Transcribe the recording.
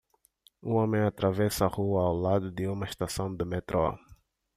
Um homem atravessa a rua ao lado de uma estação de metrô.